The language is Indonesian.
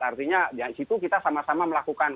artinya yang disitu kita sama sama melakukan